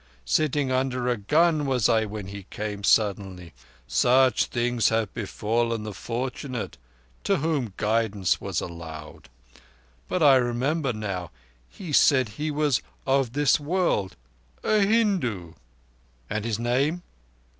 Sitting under a gun was I when he came suddenly. Such things have befallen the fortunate to whom guidance was allowed. But I remember now, he said he was of this world—a Hindu." "And his name?"